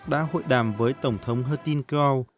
đã hội đàm với tổng thống hertin keo